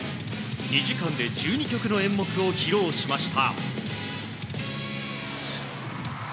２時間で１２曲の演目を披露しました。